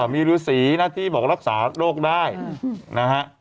มีฤษีนะที่บอกรักษาโรคได้นะฮะ